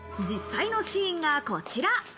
実際のシーンがこちら。